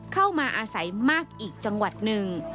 เข้ามาอาศัยมากอีกจังหวัดหนึ่ง